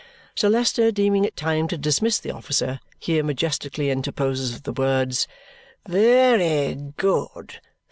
Sir Leicester, deeming it time to dismiss the officer, here majestically interposes with the words, "Very good.